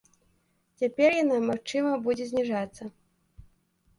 Цяпер яна, магчыма, будзе зніжацца.